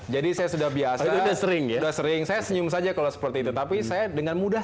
jadi saya sudah biasa udah sering saya senyum saja kalau seperti itu tapi saya dengan mudah